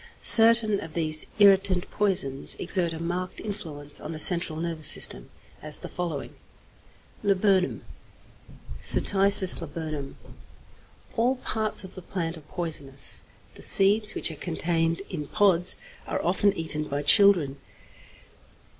Certain of these irritant poisons exert a marked influence on the central nervous system, as the following: =Laburnum= (Cytisis Laburnum). All parts of the plant are poisonous; the seeds, which are contained in pods, are often eaten by children.